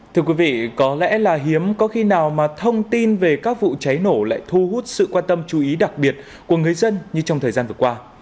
thưa quý vị có lẽ là hiếm có khi nào mà thông tin về các vụ cháy nổ lại thu hút sự quan tâm chú ý đặc biệt của người dân như trong thời gian vừa qua